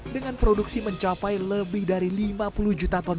dengan produksi mencapai lebih dari lima puluh juta ton